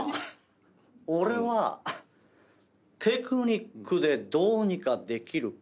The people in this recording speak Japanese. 俺はテクニックでどうにかできる顔じゃない。